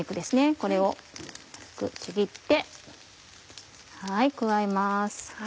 これを軽くちぎって加えます。